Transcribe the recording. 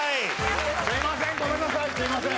すいません！